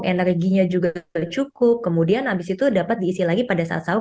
energinya juga cukup kemudian abis itu dapat diisi lagi pada saat sahur